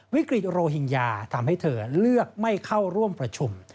วิกฤตโรฮิงญาทำให้เธอเลือกไม่เข้าร่วมประชุม